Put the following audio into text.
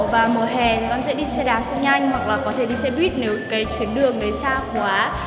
và mùa hè thì con sẽ đi xe đạp xe nhanh hoặc là có thể đi xe buýt nếu cái chuyến đường đấy xa quá